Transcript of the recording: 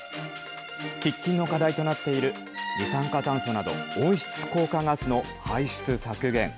喫緊の課題となっている二酸化炭素など温室効果ガスの排出削減。